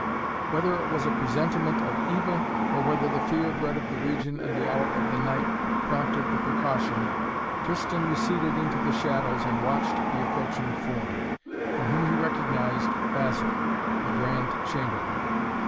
Whether it was a presentiment of evil, or whether the fear bred of the region and the hour of the night prompted the precaution, Tristan receded into the shadows and watched the approaching form, in whom he recognized Basil, the Grand Chamberlain.